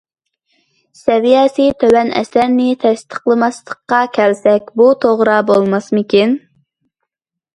سەۋىيەسى تۆۋەن ئەسەرنى تەستىقلىماسلىققا كەلسەك، بۇ توغرا بولماسمىكىن.